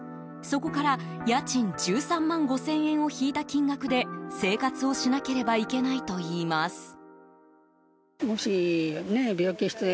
そこから家賃１３万５０００円を引いた金額で生活をしなければいけないといいます。